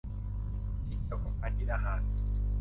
ที่เกี่ยวกับการกินอาหาร